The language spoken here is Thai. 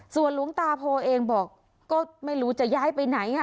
ส่วนหลวงตาโพเองบอกก็ไม่รู้จะย้ายไปไหน